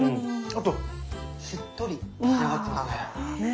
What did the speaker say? あとしっとり仕上がってますね。